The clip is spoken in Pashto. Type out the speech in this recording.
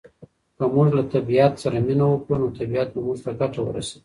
که موږ له طبعیت سره مینه وکړو نو طبعیت به موږ ته ګټه ورسوي.